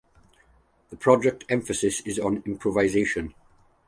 The project emphasis is on improvisation.